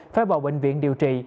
phai bỏ bệnh viện điều trị